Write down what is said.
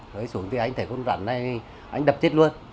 rơi xuống thì anh thấy con rắn này anh đập chết luôn